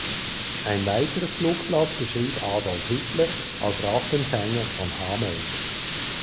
Ein weiteres Flugblatt beschrieb Adolf Hitler als „Rattenfänger von Hameln“.